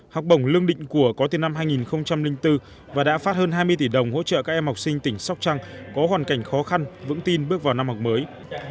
học bổng lương định của có từ năm hai nghìn bốn và đã phát hơn hai mươi tỷ đồng hỗ trợ các em học sinh tỉnh sóc trăng có hoàn cảnh khó khăn vững tin bước vào năm học mới